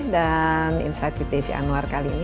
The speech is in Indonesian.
insight with desi anwar kali ini